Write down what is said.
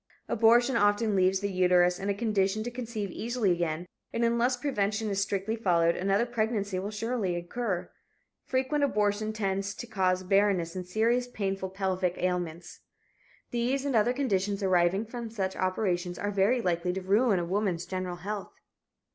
Abortion often leaves the uterus in a condition to conceive easily again and unless prevention is strictly followed another pregnancy will surely occur. Frequent abortions tend to cause barrenness and serious, painful pelvic ailments. These and other conditions arising from such operations are very likely to ruin a woman's general health.